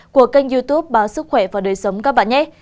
của kênh youtube báo sức khỏe và đời sống các bạn nhé